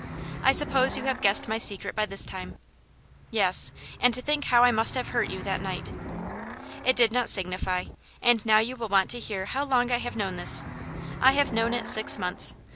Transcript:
I suppose you have guessed my secret by this time ?"" Yes. And to think how I must have hurt you that night!" " It did not signify. And now you will want to 4iear how long I have known this. I have known it six months.